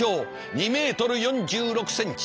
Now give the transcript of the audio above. ２ｍ４６ｃｍ。